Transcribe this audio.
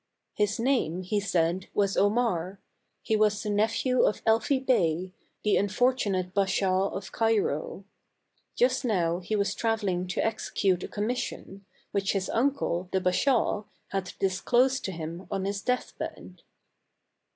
His name, he said, was Omar ; he was the nephew of Elfi Bey, the unfortunate Bashaw of Cairo. Just now he was traveling to execute a commis THE CAB AVAN. 195 sion, which his uncle, the Bashaw, had disclosed to him on his deathbed.